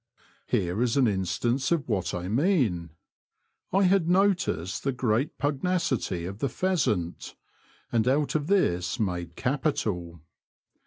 Here is an instance of what I mean : I had noticed the great pug nacity of the pheasant, and out of this made capital.